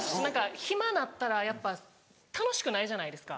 暇なったらやっぱ楽しくないじゃないですか。